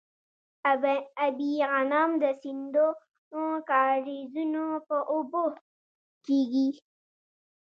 ابي غنم د سیندونو او کاریزونو په اوبو کیږي.